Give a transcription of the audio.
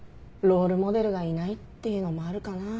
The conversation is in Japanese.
ロールモデルがいないっていうのもあるかな。